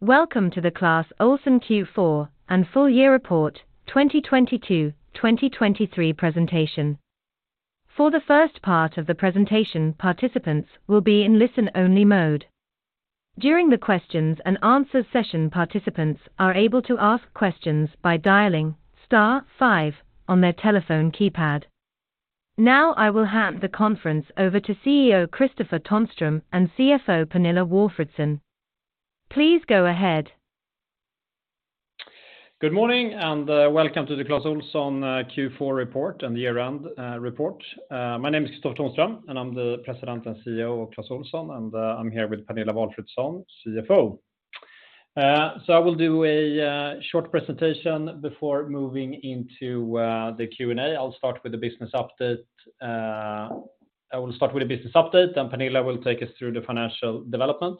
Welcome to the Clas Ohlson Q4 and Full Year Report 2022, 2023 Presentation. For the first part of the presentation, participants will be in listen-only mode. During the questions and answers session, participants are able to ask questions by dialing star five on their telephone keypad. Now, I will hand the conference over to CEO, Kristofer Tonström, and CFO, Pernilla Walfridsson. Please go ahead. Good morning, and welcome to the Clas Ohlson Q4 report and the year-round report. My name is Kristofer Tonström, and I'm the President and CEO of Clas Ohlson, and I'm here with Pernilla Walfridsson, CFO. I will do a short presentation before moving into the Q&A. I will start with the business update, then Pernilla will take us through the financial development,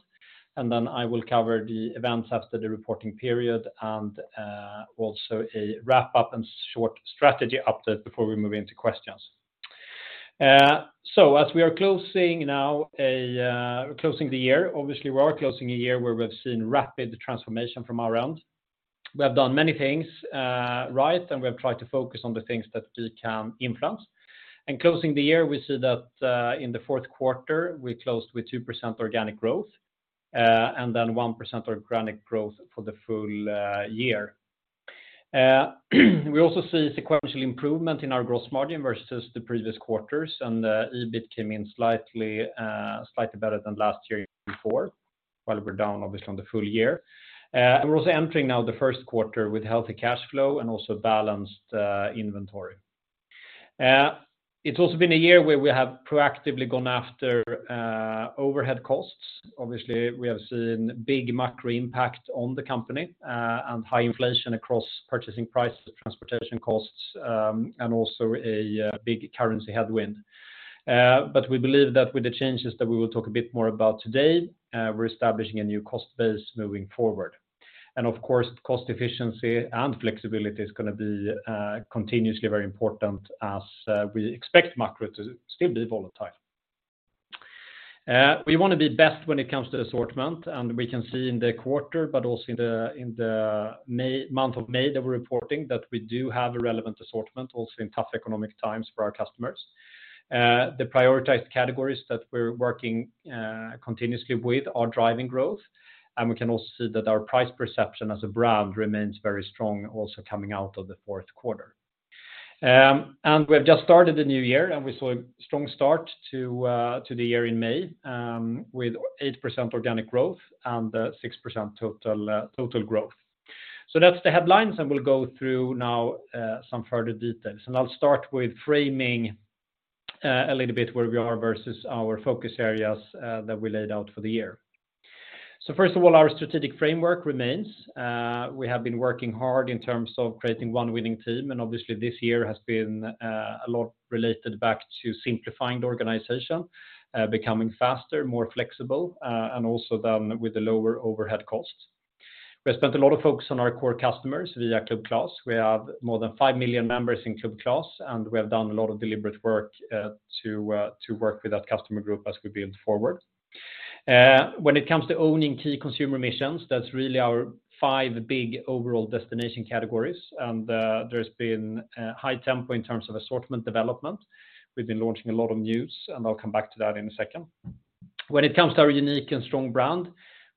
and then I will cover the events after the reporting period, and also a wrap up and short strategy update before we move into questions. As we are closing now a closing the year, obviously, we are closing a year where we've seen rapid transformation from our end. We have done many things right, and we have tried to focus on the things that we can influence. In closing the year, we see that, in the fourth quarter, we closed with 2% organic growth, and then 1% organic growth for the full year. We also see sequential improvement in our gross margin versus the previous quarters, and EBIT came in slightly better than last year before, while we're down, obviously, on the full year. We're also entering now the first quarter with healthy cash flow and also balanced inventory. It's also been a year where we have proactively gone after overhead costs. Obviously, we have seen big macro impact on the company, and high inflation across purchasing prices, transportation costs, and also a big currency headwind. We believe that with the changes that we will talk a bit more about today, we're establishing a new cost base moving forward. Of course, cost efficiency and flexibility is gonna be continuously very important as we expect macro to still be volatile. We wanna be best when it comes to assortment, and we can see in the quarter, but also in the, in the May, month of May, that we're reporting, that we do have a relevant assortment, also in tough economic times for our customers. The prioritized categories that we're working continuously with are driving growth, and we can also see that our price perception as a brand remains very strong, also coming out of the fourth quarter. We've just started the new year, we saw a strong start to the year in May, with 8% organic growth and 6% total growth. That's the headlines, we'll go through now some further details. I'll start with framing a little bit where we are versus our focus areas that we laid out for the year. First of all, our strategic framework remains. We have been working hard in terms of creating one winning team, obviously, this year has been a lot related back to simplifying the organization, becoming faster, more flexible, and also then with the lower overhead costs. We spent a lot of focus on our core customers via Club Clas. We have more than five million members in Club Clas, and we have done a lot of deliberate work to work with that customer group as we build forward. When it comes to owning key consumer missions, that's really our five big overall destination categories, and there's been a high tempo in terms of assortment development. We've been launching a lot of news, and I'll come back to that in a second. When it comes to our unique and strong brand,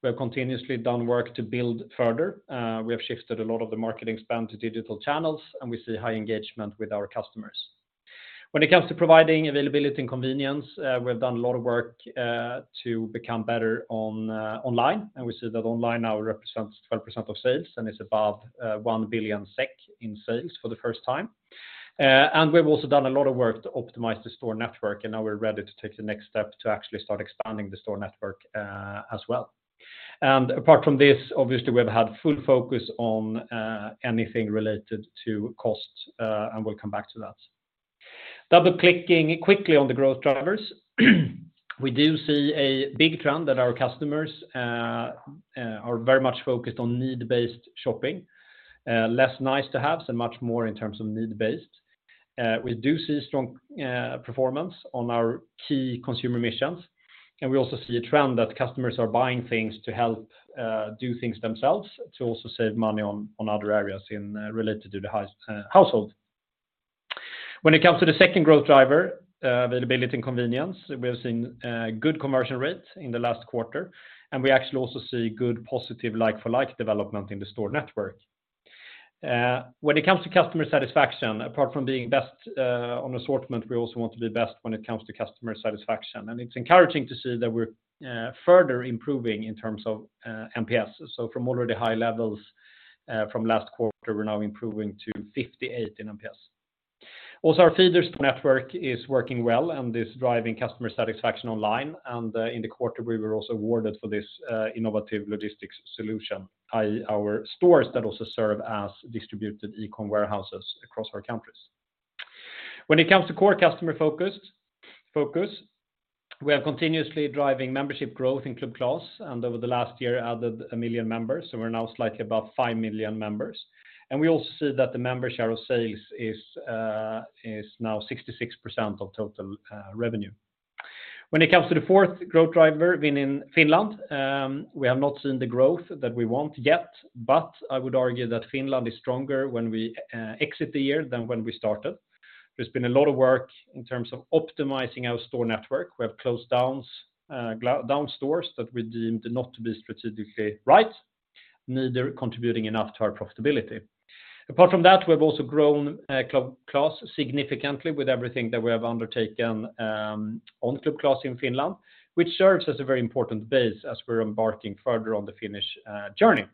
we have continuously done work to build further. We have shifted a lot of the marketing spend to digital channels, and we see high engagement with our customers. When it comes to providing availability and convenience, we've done a lot of work to become better on online, and we see that online now represents 12% of sales and is above 1 billion SEK in sales for the first time. We've also done a lot of work to optimize the store network, and now we're ready to take the next step to actually start expanding the store network as well. Apart from this, obviously, we've had full focus on anything related to cost, and we'll come back to that. Double-clicking quickly on the growth drivers. We do see a big trend that our customers are very much focused on need-based shopping, less nice to haves and much more in terms of need-based. We do see strong performance on our key consumer missions, and we also see a trend that customers are buying things to help do things themselves, to also save money on other areas in related to the household. When it comes to the second growth driver, availability and convenience, we have seen good conversion rates in the last quarter, and we actually also see good positive like-for-like development in the store network. When it comes to customer satisfaction, apart from being best on assortment, we also want to be best when it comes to customer satisfaction. It's encouraging to see that we're further improving in terms of NPS. From already high levels from last quarter, we're now improving to 58 in NPS. Our store network is working well and is driving customer satisfaction online. In the quarter, we were also awarded for this innovative logistics solution, i.e., our stores that also serve as distributed e-com warehouses across our countries. When it comes to core customer focus, we are continuously driving membership growth in Club Clas, and over the last year, added a million members, so we're now slightly above five million members. We also see that the member share of sales is now 66% of total revenue. When it comes to the fourth growth driver, being in Finland, we have not seen the growth that we want yet, but I would argue that Finland is stronger when we exit the year than when we started. There's been a lot of work in terms of optimizing our store network. We have closed down stores that we deemed not to be strategically right, neither contributing enough to our profitability. Apart from that, we have also grown Club Clas significantly with everything that we have undertaken on Club Clas in Finland, which serves as a very important base as we're embarking further on the Finnish journey.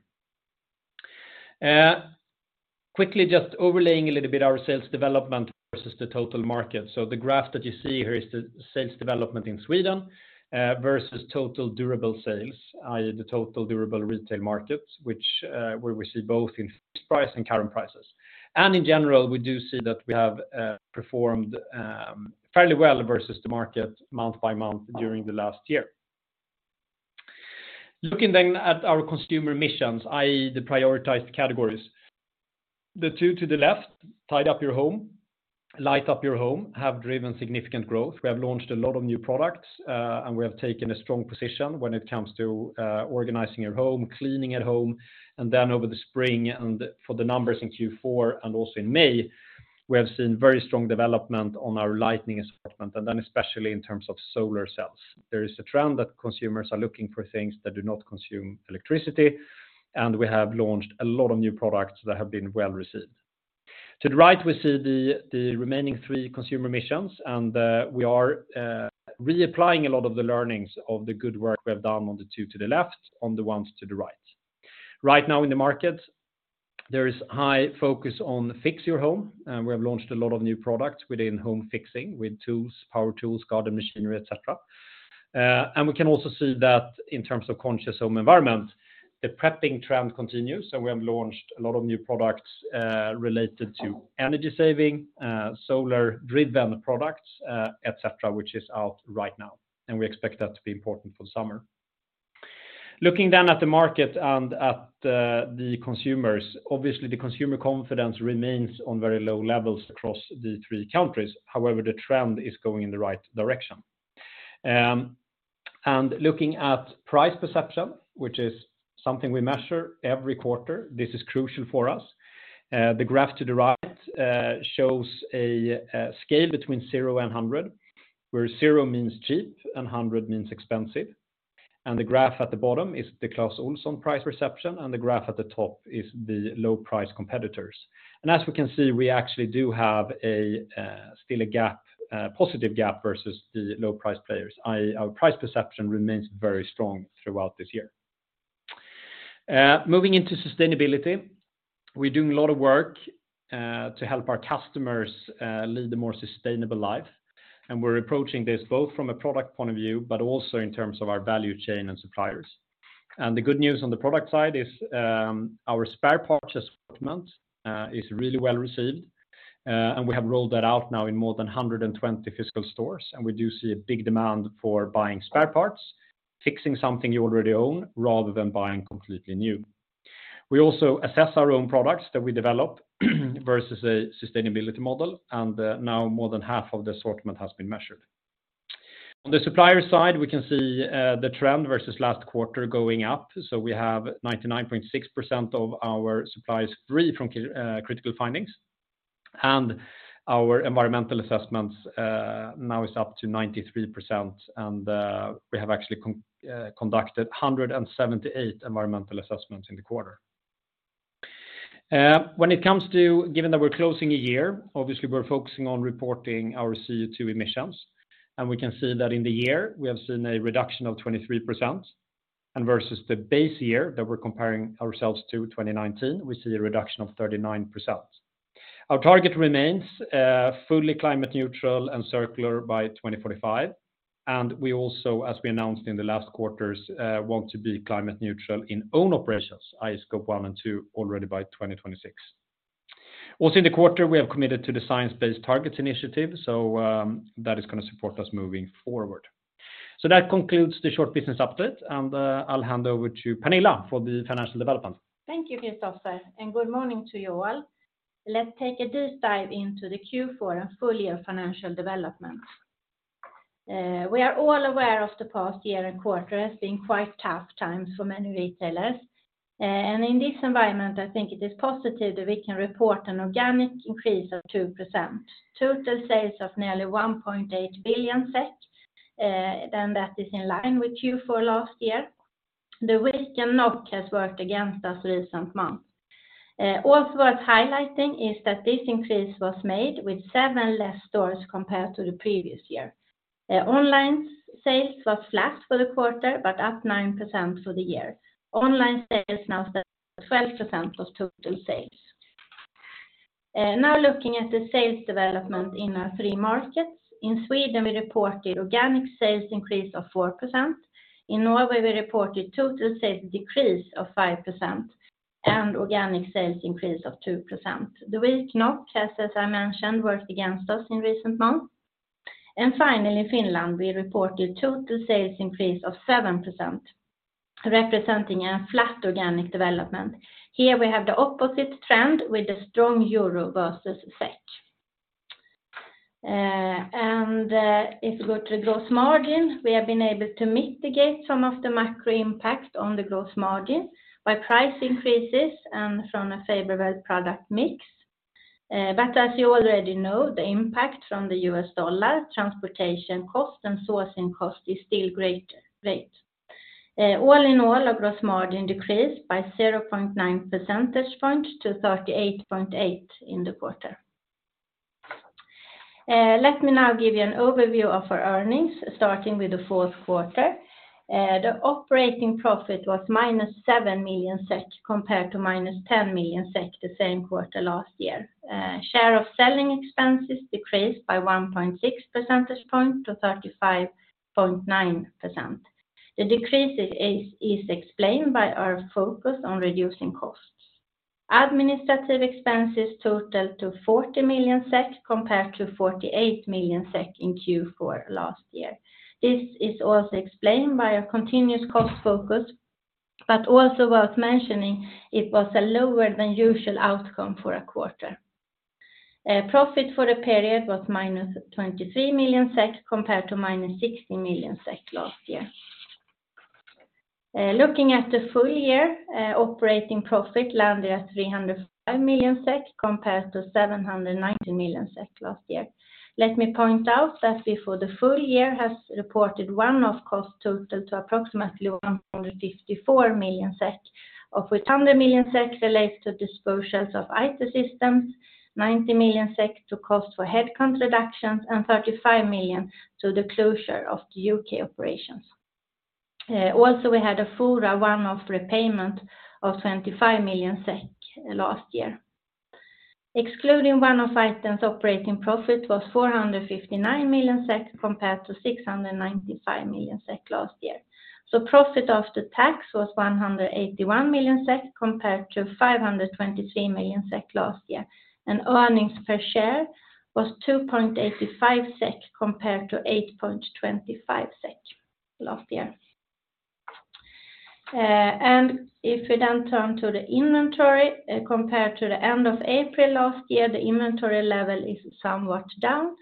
Quickly, just overlaying a little bit our sales development versus the total market. The graph that you see here is the sales development in Sweden versus total durable sales, i.e., the total durable retail markets, which where we see both in fixed price and current prices. In general, we do see that we have performed fairly well versus the market, month by month during the last year. Looking at our consumer missions, i.e., the prioritized categories. The two to the left, tidy your home, light up your home, have driven significant growth. We have launched a lot of new products, and we have taken a strong position when it comes to organizing your home, cleaning at home, and then over the spring, and for the numbers in Q4 and also in May, we have seen very strong development on our lighting assortment, and then especially in terms of solar cells. There is a trend that consumers are looking for things that do not consume electricity, and we have launched a lot of new products that have been well received. To the right, we see the remaining three consumer missions, and we are reapplying a lot of the learnings of the good work we have done on the two to the left, on the ones to the right. Right now in the market, there is high focus on fix your home, we have launched a lot of new products within home fixing, with tools, power tools, garden machinery, et cetera. We can also see that in terms of conscious home environment, the prepping trend continues, and we have launched a lot of new products related to energy saving, solar driven products, et cetera, which is out right now, and we expect that to be important for summer. Looking at the market and at the consumers, obviously, the consumer confidence remains on very low levels across the three countries. However, the trend is going in the right direction. Looking at price perception, which is something we measure every quarter, this is crucial for us. The graph to the right shows a scale between zero and 100, where zero means cheap and 100 means expensive. The graph at the bottom is the Clas Ohlson price perception, and the graph at the top is the low-price competitors. As we can see, we actually do have a, still a gap, a positive gap versus the low-price players, i.e., our price perception remains very strong throughout this year. Moving into sustainability, we're doing a lot of work to help our customers lead a more sustainable life, and we're approaching this both from a product point of view, but also in terms of our value chain and suppliers. The good news on the product side is, our spare parts assortment is really well received, and we have rolled that out now in more than 120 physical stores, and we do see a big demand for buying spare parts, fixing something you already own, rather than buying completely new. We also assess our own products that we develop, versus a sustainability model, and now more than half of the assortment has been measured. On the supplier side, we can see the trend versus last quarter going up, so we have 99.6% of our suppliers free from critical findings, and our environmental assessments now is up to 93%, and we have actually conducted 178 environmental assessments in the quarter. When it comes to, given that we're closing a year, obviously, we're focusing on reporting our CO2 emissions. We can see that in the year, we have seen a reduction of 23%. Versus the base year that we're comparing ourselves to, 2019, we see a reduction of 39%. Our target remains fully climate neutral and circular by 2045. We also, as we announced in the last quarters, want to be climate neutral in own operations, i.e., Scope 1 and 2, already by 2026. Also in the quarter, we have committed to the Science Based Targets initiative. That is gonna support us moving forward. That concludes the short business update. I'll hand over to Pernilla for the financial development. Thank you, Kristofer. Good morning to you all. Let's take a deep dive into the Q4 and full year financial development. We are all aware of the past year and quarter as being quite tough times for many retailers, and in this environment, I think it is positive that we can report an organic increase of 2%. Total sales of nearly 1.8 billion, and that is in line with Q4 last year. The weak and NOK has worked against us recent months. Also worth highlighting is that this increase was made with seven less stores compared to the previous year. Online sales was flat for the quarter, but up 9% for the year. Online sales now stand at 12% of total sales. Now looking at the sales development in our three markets. In Sweden, we reported organic sales increase of 4%. In Norway, we reported total sales decrease of 5% and organic sales increase of 2%. The weak NOK, as I mentioned, worked against us in recent months. Finally, Finland, we reported total sales increase of 7%. representing a flat organic development. Here we have the opposite trend with the strong EUR versus SEK. If you go to the gross margin, we have been able to mitigate some of the macro impact on the gross margin by price increases and from a favorable product mix. As you already know, the impact from the U.S. dollar, transportation cost and sourcing cost is still great. All in all, our gross margin decreased by 0.9 percentage point to 38.8% in the quarter. Let me now give you an overview of our earnings, starting with the fourth quarter. The operating profit was minus 7 million SEK, compared to minus 10 million SEK the same quarter last year. Share of selling expenses decreased by 1.6 percentage point to 35.9%. The decrease is explained by our focus on reducing costs. Administrative expenses totaled to 40 million SEK, compared to 48 million SEK in Q4 last year. This is also explained by a continuous cost focus, but also worth mentioning, it was a lower than usual outcome for a quarter. Profit for the period was minus 23 million SEK, compared to minus 60 million SEK last year. Looking at the full year, operating profit landed at 305 million SEK, compared to 790 million SEK last year. Let me point out that before the full year has reported one-off cost total to approximately 154 million SEK, of which 100 million SEK relates to disposals of IT systems, 90 million SEK to cost for headcount reductions, and 35 million to the closure of the U.K. operations. Also, we had a full one-off repayment of 25 million SEK last year. Excluding one-off items, operating profit was 459 million SEK, compared to 695 million SEK last year. Profit after tax was 181 million SEK, compared to 523 million SEK last year, and earnings per share was 2.85 SEK, compared to 8.25 SEK last year. If we then turn to the inventory, compared to the end of April last year, the inventory level is somewhat down.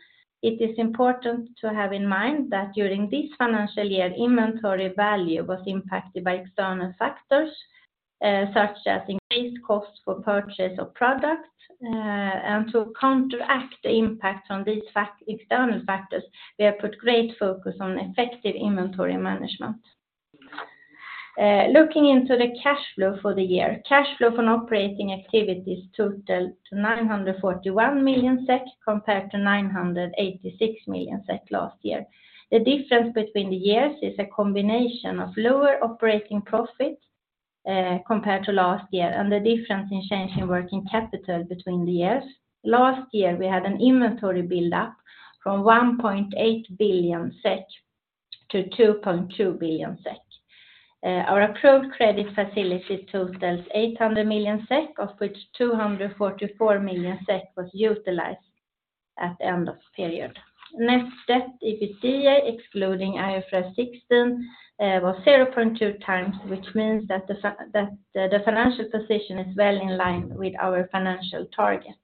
It is important to have in mind that during this financial year, inventory value was impacted by external factors, such as increased costs for purchase of products. To counteract the impact on these external factors, we have put great focus on effective inventory management. Looking into the cash flow for the year, cash flow from operating activities totaled to 941 million SEK, compared to 986 million SEK last year. The difference between the years is a combination of lower operating profit, compared to last year, and the difference in change in working capital between the years. Last year, we had an inventory buildup from 1.8 billion-2.2 billion SEK. Our approved credit facility totals 800 million SEK, of which 244 million SEK was utilized at the end of the period. Net debt, EBITDA, excluding IFRS 16, was 0.2x, which means that the financial position is well in line with our financial target.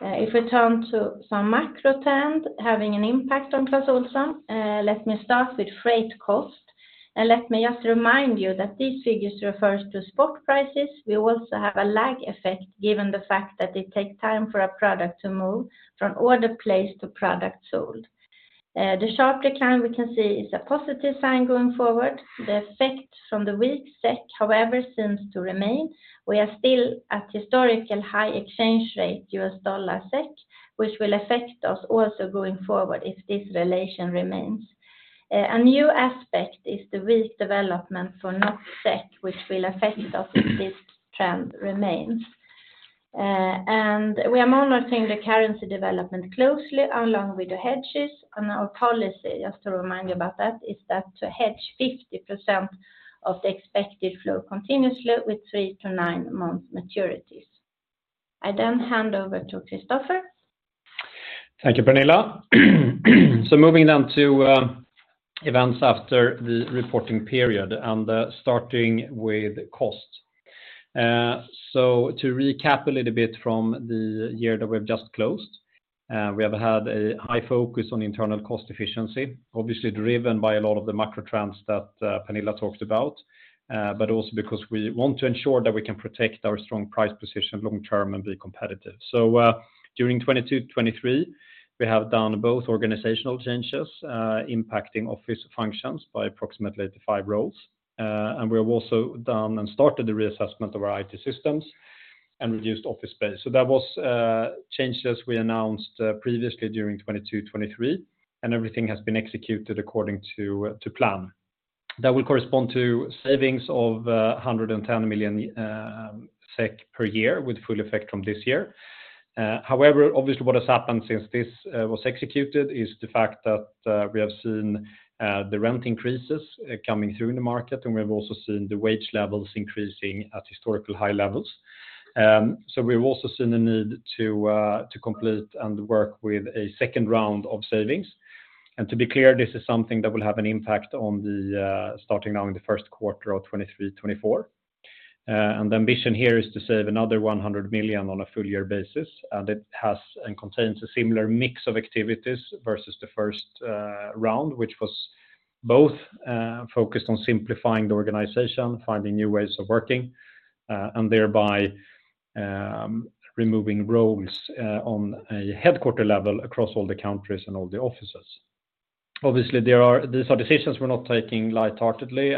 If we turn to some macro trends having an impact on Clas Ohlson, let me start with freight cost. Let me just remind you that these figures refers to spot prices. We also have a lag effect, given the fact that it takes time for a product to move from order placed to product sold. The sharp decline we can see is a positive sign going forward. The effect from the weak SEK, however, seems to remain. We are still at historical high exchange rate, U.S. dollar/SEK, which will affect us also going forward if this relation remains. A new aspect is the weak development for NOK/SEK, which will affect us if this trend remains. We are monitoring the currency development closely, along with the hedges. Our policy, just to remind you about that, is that to hedge 50% of the expected flow continuously with three-to-nine-month maturities. I then hand over to Kristofer. Thank you, Pernilla. Moving on to events after the reporting period and starting with cost. To recap a little bit from the year that we've just closed, we have had a high focus on internal cost efficiency. Obviously, driven by a lot of the macro trends that Pernilla talked about, but also because we want to ensure that we can protect our strong price position long term and be competitive. During 2022, 2023, we have done both organizational changes, impacting office functions by approximately 85 roles. And we have also done and started the reassessment of our IT systems and reduced office space. That was changes we announced previously during 2022, 2023, and everything has been executed according to plan. That will correspond to savings of 110 million SEK per year, with full effect from this year. However, obviously, what has happened since this was executed is the fact that we have seen the rent increases coming through in the market, and we have also seen the wage levels increasing at historical high levels. We've also seen the need to complete and work with a second round of savings. To be clear, this is something that will have an impact on the starting now in the first quarter of 2023, 2024. The ambition here is to save another 100 million on a full year basis, it has and contains a similar mix of activities versus the first round, which was both focused on simplifying the organization, finding new ways of working, and thereby removing roles on a headquarter level across all the countries and all the offices. Obviously, these are decisions we're not taking lightheartedly,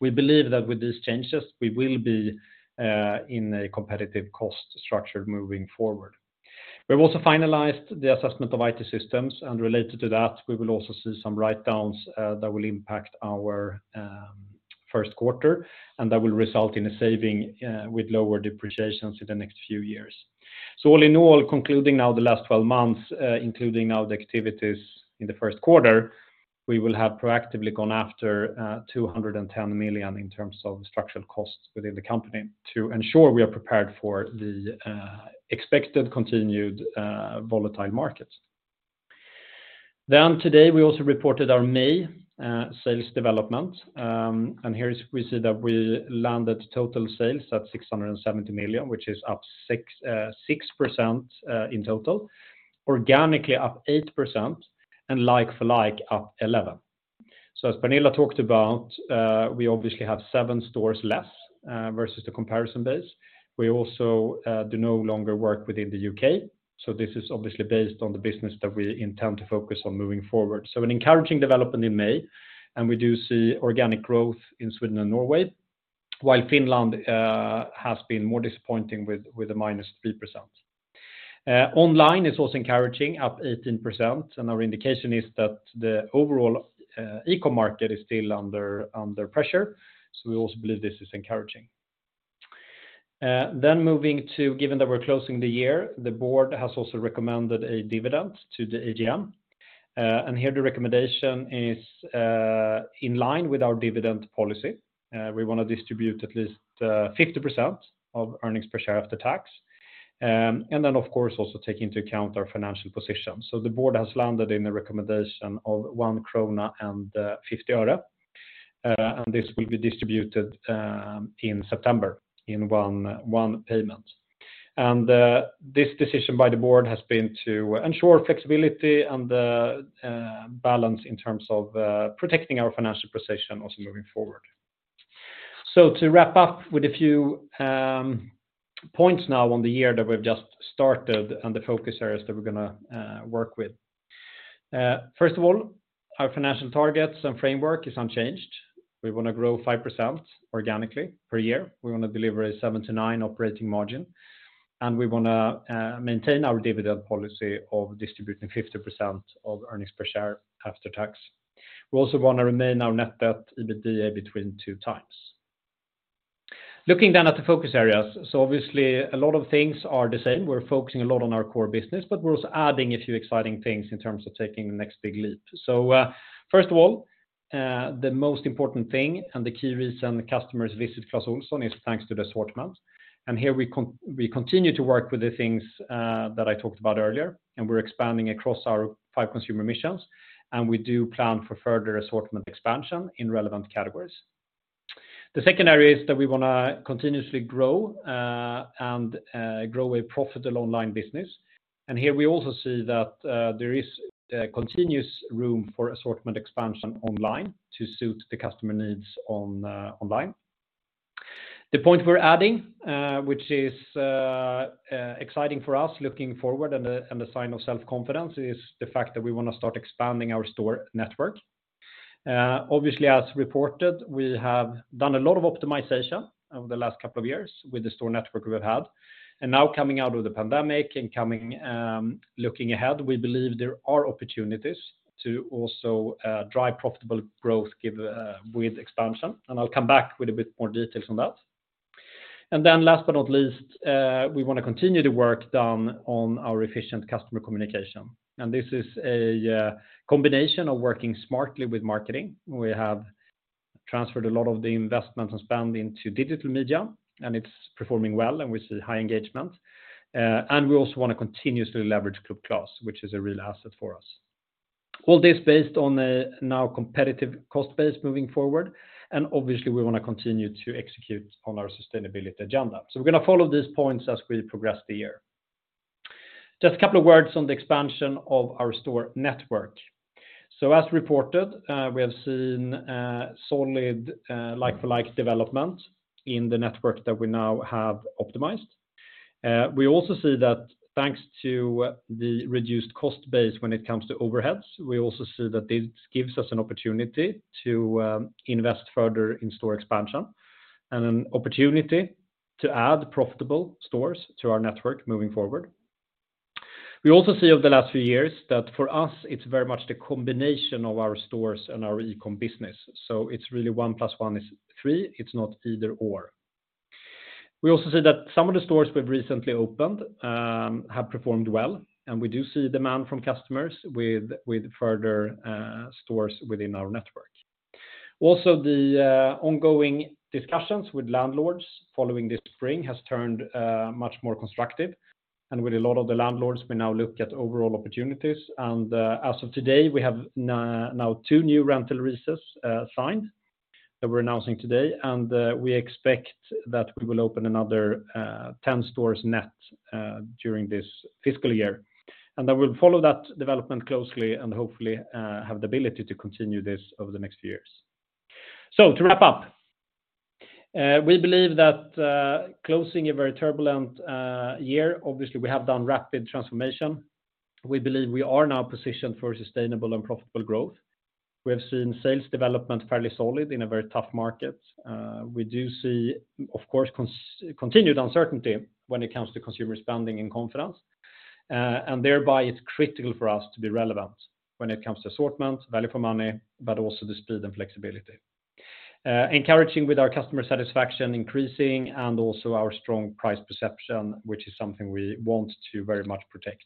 we believe that with these changes, we will be in a competitive cost structure moving forward. We've also finalized the assessment of IT systems, related to that, we will also see some write-downs that will impact our first quarter, that will result in a saving with lower depreciations in the next few years. All in all, concluding now the last twelve months, including now the activities in the first quarter, we will have proactively gone after 210 million in terms of structural costs within the company to ensure we are prepared for the expected continued volatile markets. Today, we also reported our May sales development, we see that we landed total sales at 670 million, which is up 6% in total, organically up 8%, and like-for-like, up 11%. As Pernilla talked about, we obviously have seven stores less versus the comparison base. We also do no longer work within the U.K., this is obviously based on the business that we intend to focus on moving forward. An encouraging development in May, and we do see organic growth in Sweden and Norway, while Finland has been more disappointing with a -3%. Online is also encouraging, up 18%, and our indication is that the overall e-com market is still under pressure, so we also believe this is encouraging. Moving to, given that we're closing the year, the board has also recommended a dividend to the AGM. Here the recommendation is in line with our dividend policy. We wanna distribute at least 50% of earnings per share after tax, and then, of course, also take into account our financial position. The board has landed in a recommendation of 1.50 krona, and this will be distributed in September in one payment. This decision by the board has been to ensure flexibility and balance in terms of protecting our financial position also moving forward. To wrap up with a few points now on the year that we've just started and the focus areas that we're gonna work with. First of all, our financial targets and framework is unchanged. We wanna grow 5% organically per year. We wanna deliver a seven to nine operating margin, and we wanna maintain our dividend policy of distributing 50% of earnings per share after tax. We also wanna remain our net debt, EBITDA, between 2x. Looking then at the focus areas, so obviously, a lot of things are the same. We're focusing a lot on our core business, but we're also adding a few exciting things in terms of taking the next big leap. First of all, the most important thing and the key reason the customers visit Clas Ohlson is thanks to the assortment. Here we continue to work with the things that I talked about earlier, and we're expanding across our five consumer missions, and we do plan for further assortment expansion in relevant categories. The second area is that we wanna continuously grow and grow a profitable online business. Here we also see that there is continuous room for assortment expansion online to suit the customer needs online. The point we're adding, which is exciting for us looking forward and a sign of self-confidence, is the fact that we wanna start expanding our store network. Obviously, as reported, we have done a lot of optimization over the last couple of years with the store network we've had, and now coming out of the pandemic and coming, looking ahead, we believe there are opportunities to also drive profitable growth give with expansion, and I'll come back with a bit more details on that. Last but not least, we wanna continue the work done on our efficient customer communication, and this is a combination of working smartly with marketing. We have transferred a lot of the investment and spend into digital media, and it's performing well, and we see high engagement, and we also wanna continuously leverage Club Clas, which is a real asset for us. All this based on a now competitive cost base moving forward, and obviously, we wanna continue to execute on our sustainability agenda. We're gonna follow these points as we progress the year. Just a couple of words on the expansion of our store network. As reported, we have seen solid like-for-like development in the network that we now have optimized. We also see that thanks to the reduced cost base when it comes to overheads, we also see that this gives us an opportunity to invest further in store expansion and an opportunity to add profitable stores to our network moving forward. We also see over the last few years that for us, it's very much the combination of our stores and our e-com business, so it's really one plus one is three. It's not either/or. We also see that some of the stores we've recently opened have performed well, and we do see demand from customers with further stores within our network. The ongoing discussions with landlords following this spring has turned much more constructive, and with a lot of the landlords, we now look at overall opportunities. As of today, we have now two new rental leases signed, that we're announcing today, and we expect that we will open another 10 stores net during this fiscal year. I will follow that development closely and hopefully have the ability to continue this over the next years. To wrap up, we believe that closing a very turbulent year, obviously, we have done rapid transformation. We believe we are now positioned for sustainable and profitable growth. We have seen sales development fairly solid in a very tough market. We do see, of course, continued uncertainty when it comes to consumer spending and confidence. Thereby, it's critical for us to be relevant when it comes to assortment, value for money, but also the speed and flexibility. Encouraging with our customer satisfaction increasing and also our strong price perception, which is something we want to very much protect.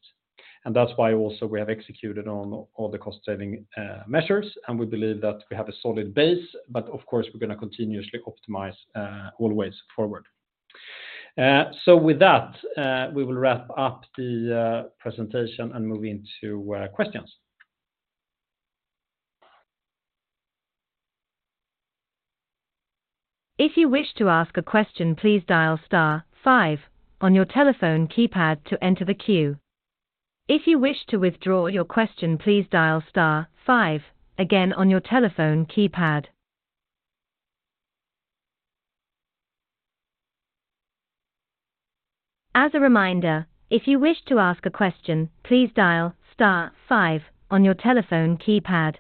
That's why also we have executed on all the cost-saving measures, and we believe that we have a solid base, but of course, we're gonna continuously optimize always forward. With that, we will wrap up the presentation and move into questions. If you wish to ask a question, please dial star five on your telephone keypad to enter the queue. If you wish to withdraw your question, please dial star five again on your telephone keypad. As a reminder, if you wish to ask a question, please dial star five on your telephone keypad.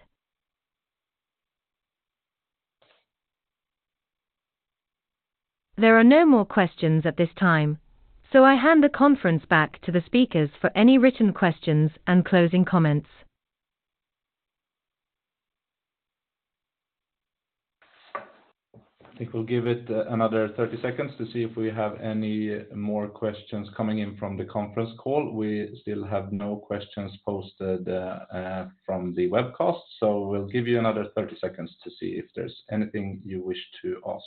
I hand the conference back to the speakers for any written questions and closing comments. I think we'll give it another 30 seconds to see if we have any more questions coming in from the conference call. We still have no questions posted from the webcast, so we'll give you another 30 seconds to see if there's anything you wish to ask.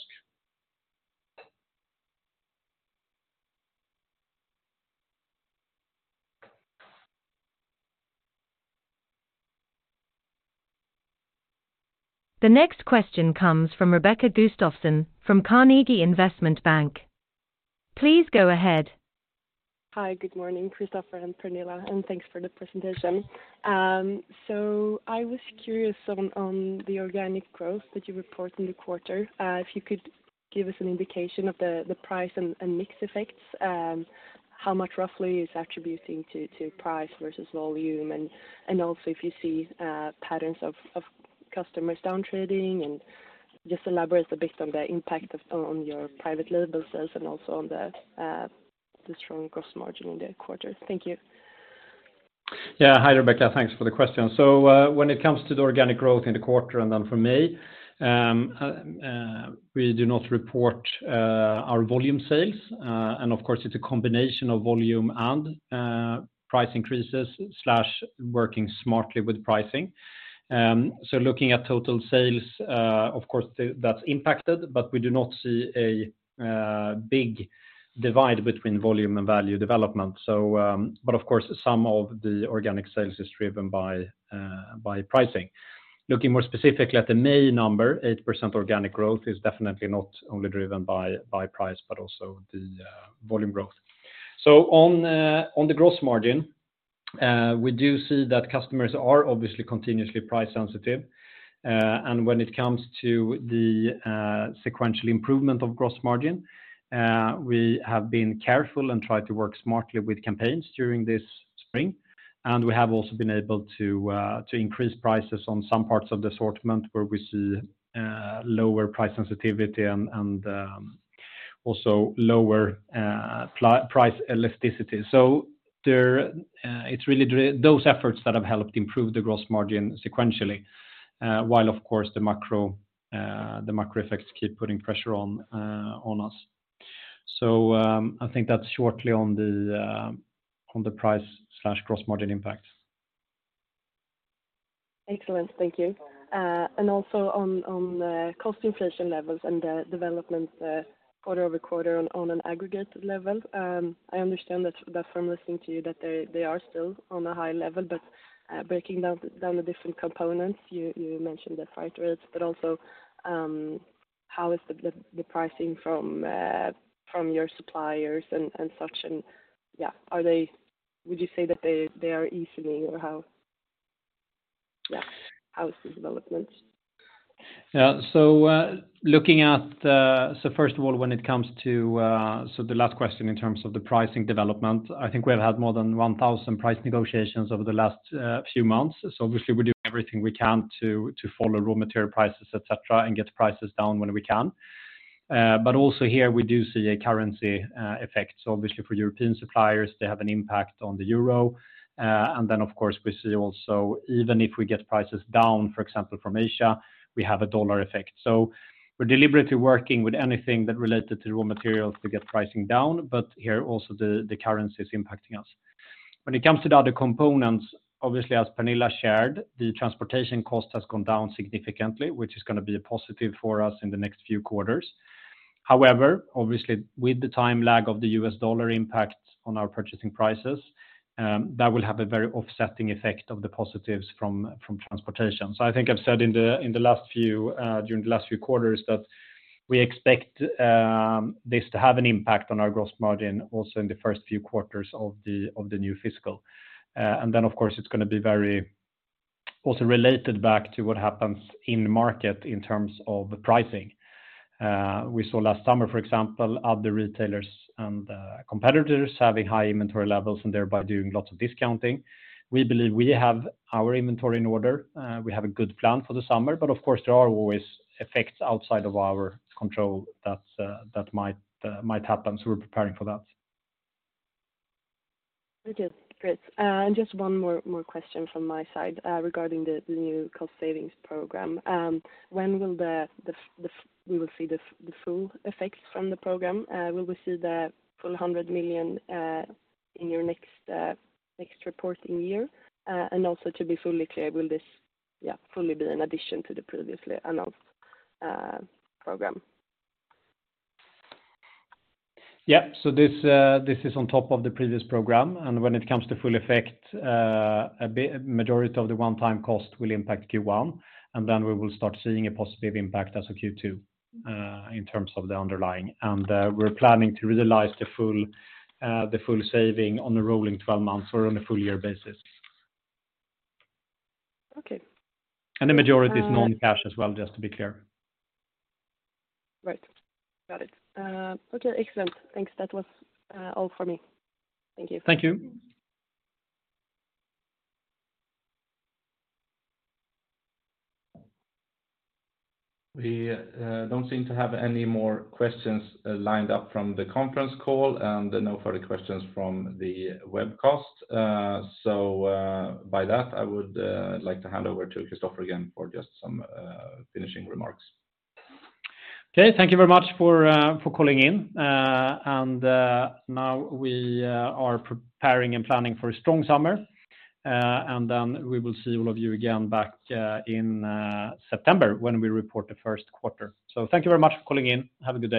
The next question comes from Rebecca Gustafsson, from Carnegie Investment Bank. Please go ahead. Hi, good morning, Kristofer and Pernilla, and thanks for the presentation. I was curious on the organic growth that you report in the quarter. If you could give us an indication of the price and mix effects, how much roughly is attributing to price versus volume? Also, if you see patterns of customers down trading, just elaborate a bit on the impact on your private label sales and also on the strong gross margin in the quarter. Thank you. Yeah. Hi, Rebecca, thanks for the question. When it comes to the organic growth in the quarter, and then for me, we do not report our volume sales, and of course, it's a combination of volume and price increases slash working smartly with pricing. Looking at total sales, of course, that's impacted, but we do not see a big divide between volume and value development. But of course, some of the organic sales is driven by pricing. Looking more specifically at the May number, 8% organic growth is definitely not only driven by price, but also the volume growth. On the gross margin, we do see that customers are obviously continuously price sensitive. When it comes to the sequential improvement of gross margin, we have been careful and tried to work smartly with campaigns during this spring, and we have also been able to increase prices on some parts of the assortment where we see lower price sensitivity and also lower price elasticity. There, it's really those efforts that have helped improve the gross margin sequentially, while, of course, the macro, the macro effects keep putting pressure on us. I think that's shortly on the price slash gross margin impact. Excellent, thank you. Also on the cost inflation levels and the development, quarter-over-quarter on an aggregate level. I understand that from listening to you, that they are still on a high level, but breaking down the different components, you mentioned the freight rates. Also, how is the pricing from your suppliers and such? Yeah, would you say that they are easing or how? Yeah, how is the development? Looking at, so first of all, when it comes to, so the last question in terms of the pricing development, I think we have had more than 1,000 price negotiations over the last few months. Obviously, we do everything we can to follow raw material prices, et cetera, and get prices down when we can. But also here, we do see a currency effect. Obviously for European suppliers, they have an impact on the euro. And then, of course, we see also, even if we get prices down, for example, from Asia, we have a dollar effect. We're deliberately working with anything that related to raw materials to get pricing down, but here also the currency is impacting us. When it comes to the other components, obviously, as Pernilla shared, the transportation cost has gone down significantly, which is gonna be a positive for us in the next few quarters. Obviously, with the time lag of the U.S. dollar impact on our purchasing prices, that will have a very offsetting effect of the positives from transportation. I think I've said in the last few quarters, that we expect this to have an impact on our gross margin also in the first few quarters of the new fiscal. Of course, it's gonna be very also related back to what happens in the market in terms of the pricing. We saw last summer, for example, other retailers and competitors having high inventory levels and thereby doing lots of discounting. We believe we have our inventory in order. We have a good plan for the summer, but of course, there are always effects outside of our control that might happen, so we're preparing for that. Okay, great. Just one more question from my side, regarding the new cost savings program. When will we see the full effects from the program? Will we see the full 100 million in your next reporting year? Also to be fully clear, will this fully be in addition to the previously announced program? This is on top of the previous program. When it comes to full effect, majority of the one-time cost will impact Q1. We will start seeing a positive impact as of Q2 in terms of the underlying. We're planning to realize the full, the full saving on the rolling 12 months or on a full year basis. Okay. The majority is non-cash as well, just to be clear. Right. Got it. Okay, excellent. Thanks. That was all for me. Thank you. Thank you. We don't seem to have any more questions, lined up from the conference call, and no further questions from the webcast. By that, I would like to hand over to Kristofer again for just some finishing remarks. Okay. Thank you very much for calling in. Now we are preparing and planning for a strong summer. Then we will see all of you again back in September, when we report the first quarter. Thank you very much for calling in. Have a good day.